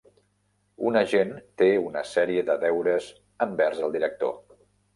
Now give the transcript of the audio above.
Un agent té una sèrie de deures envers el director.